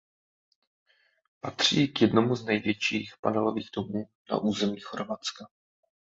Patří k jedním z největších panelových domů na území Chorvatska.